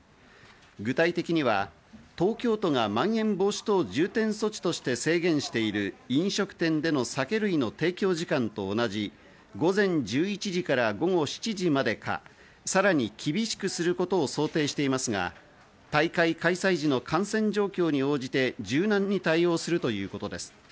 具体的には東京都がまん延防止等重点措置として制限している飲食店での酒類の提供時間と同じ午前１１時から午後７時までか、さらに厳しくすることを想定していますが、大会開催時の感染状況に応じて柔軟に対応するということです。